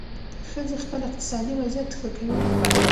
ښځې خپل اقتصادي وضعیت ښه کوي.